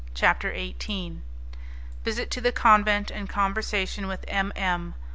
CHAPTER XVIII Visit to the Convent and Conversation With M. M.